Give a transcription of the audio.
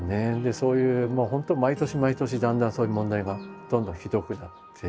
そういう本当毎年毎年だんだんそういう問題がどんどんひどくなって。